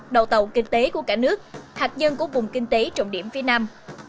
đầu tàu kinh tế của cả nước hạt nhân của vùng kinh tế trọng điểm phía nam